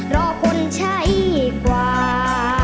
รอคนใช้กว่า